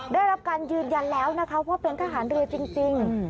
ได้รับการยืนยันแล้วนะคะว่าเป็นทหารเรือจริง